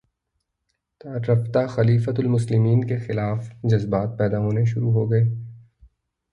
رفتہ خلیفتہ المسلمین کے خلاف جذبات پیدا ہونے شروع ہوگئے